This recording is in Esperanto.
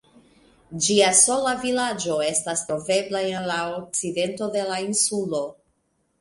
Ĝia sola vilaĝo estas trovebla en la okcidento de la insulo.